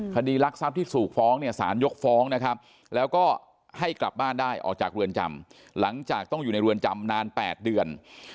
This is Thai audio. คดีรักทรัพย์ที่ถูกฟ้องเนี่ยสารยกฟ้องนะครับแล้วก็ให้กลับบ้านได้ออกจากเรือนจำหลังจากต้องอยู่ในเรือนจำนาน๘เดือน